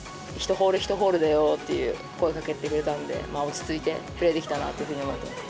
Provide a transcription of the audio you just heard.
１ホール１ホールだよっていう声かけてくれたんで、落ち着いてプレーできたなというふうに思ってます。